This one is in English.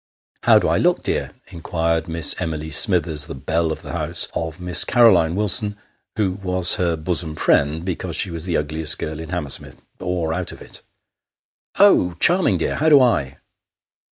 " How do I look, dear ?" inquired Miss Emily Smithers, the belle of the house, of Miss Caroline Wilson, who was her bosom friend, because she was the ugliest girl in Hammersmith, or out of it. " Oh ! charming, dear. How do I